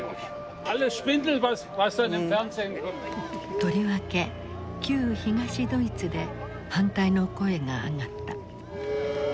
とりわけ旧東ドイツで反対の声が上がった。